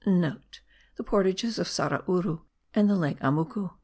(* The portages of Sarauru and the lake Amucu.)